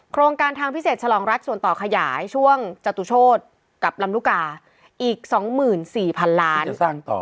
โครงการทางพิเศษฉลองรัฐส่วนต่อขยายช่วงจตุโชธกับลำลูกกาอีก๒๔๐๐๐ล้านต่อ